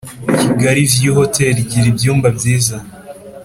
Kigali view hotel igira ibyumba byiza